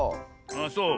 あっそう。